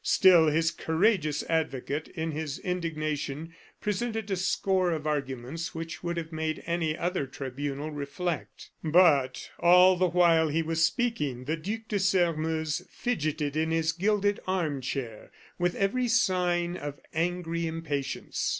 Still, his courageous advocate, in his indignation, presented a score of arguments which would have made any other tribunal reflect. But all the while he was speaking the Duc de Sairmeuse fidgeted in his gilded arm chair with every sign of angry impatience.